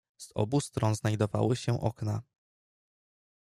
"Z obu stron znajdowały się okna."